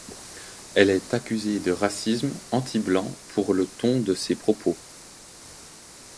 Elle est accusée de racisme anti-blanc pour le ton de ses propos.